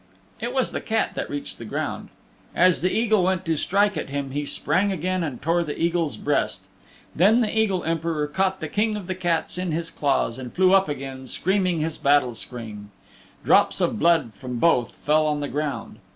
It was the Cat that reached the ground. As the Eagle went to strike at him he sprang again and tore the Eagle's breast. Then the Eagle Emperor caught the King of the Cats in his claws and flew up again, screaming his battle scream. Drops of blood from both fell on the ground.